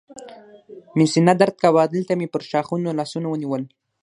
مې سینه درد کاوه، دلته مې پر ښاخونو لاسونه ونیول.